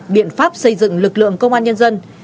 biện pháp xây dựng lực lượng công an nhân dân